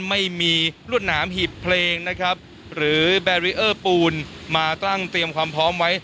ไม่มีรวดหนามหีบเพลงนะครับหรือแบรีเออร์ปูนมาตั้งเตรียมความพร้อมไว้